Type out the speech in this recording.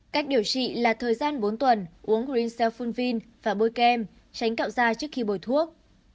cách điều trị là thời gian bốn tuần uống green cell phunvin và bôi kem tránh cạo da trước khi bồi thuốc